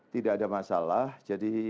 tidak ada masalah jadi